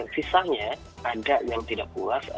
sisanya ada yang tidak puas